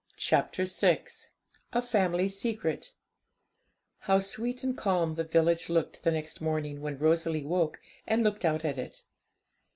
CHAPTER VI A FAMILY SECRET How sweet and calm the village looked the next morning, when Rosalie woke and looked out at it.